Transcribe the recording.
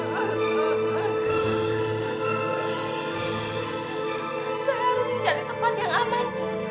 saya harus mencari tempat yang aman